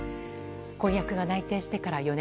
婚約が内定してから４年。